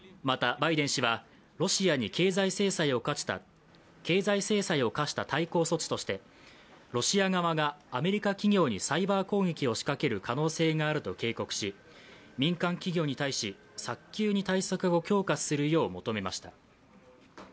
また、バイデン氏はロシアに経済制裁を科した対抗措置としてロシア側がアメリカ企業にサイバー攻撃を仕掛ける可能性があると警告し民間企業に対し早急に対策を強化するよう求めました。